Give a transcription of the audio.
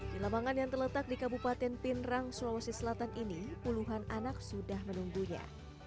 di lapangan yang terletak di kabupaten pindrang sulawesi selatan ini puluhan anak sudah menunggunya